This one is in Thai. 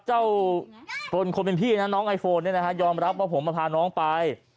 เจ้าคนเป็นพี่นะน้องไอโฟนยอมรับว่าผมมาพาน้องไป